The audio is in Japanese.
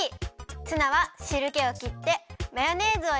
ツナはしるけをきってマヨネーズをいれてまぜます。